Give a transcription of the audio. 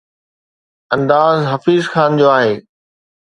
انداز حفيظ خان جو آهي.